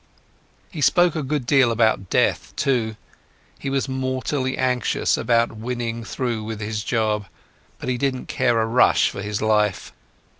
He spoke a good deal about death, too. He was mortally anxious about winning through with his job, but he didn't care a rush for his life.